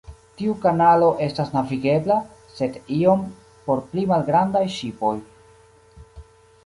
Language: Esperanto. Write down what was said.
Tiu kanalo estas navigebla, sed iom por pli malgrandaj ŝipoj.